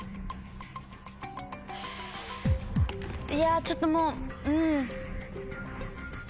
いやちょっともううん。